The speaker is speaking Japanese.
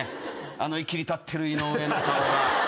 あのいきり立ってる井上の顔が。